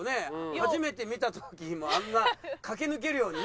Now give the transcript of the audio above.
初めて見た時もあんな駆け抜けるようにね。